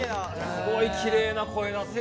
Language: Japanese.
すごいきれいな声だった。